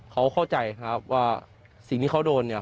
เขาเข้าใจครับว่าสิ่งที่เขาโดนเนี่ย